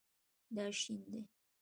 دا شین دی